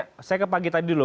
oke oke saya ke pagi tadi dulu